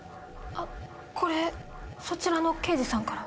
あこれそちらの刑事さんから。